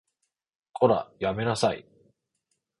こら、やめなさい